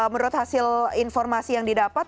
menurut hasil informasi yang didapat